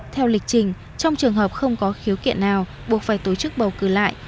theo lịch trình trong trường hợp không có khiếu kiện nào buộc phải tổ chức bầu cử lại